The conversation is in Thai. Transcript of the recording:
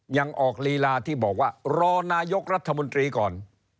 ยังออกลีลาที่บอกว่ารอนายกรัฐมนตรีก่อน